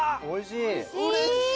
おいしい！